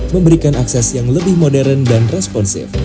memberikan akses yang lebih modern dan responsif